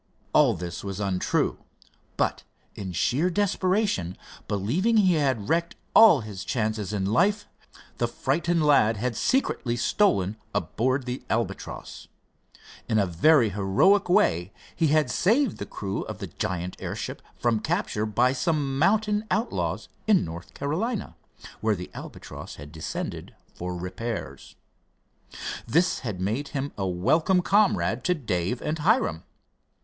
All this was untrue, but in sheer desperation, believing he had wrecked all his chances in life, the frightened lad had secretly stolen aboard of the Albatross. In a very heroic way he had saved the crew of the giant airship from capture by some mountain outlaws in North Carolina, where the Albatross had descended for repairs. This had made him a welcome comrade to Dave and Hiram.